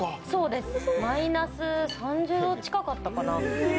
マイナス３０度近かったかな。